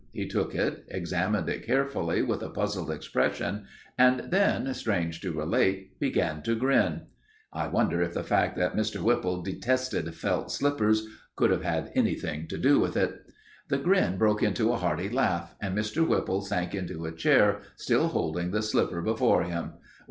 He took it, examined it carefully with a puzzled expression, and then (strange to relate) began to grin. (I wonder if the fact that Mr. Whipple detested felt slippers could have had anything to do with it.) The grin broke into a hearty laugh, and Mr. Whipple sank into a chair, still holding the slipper before him.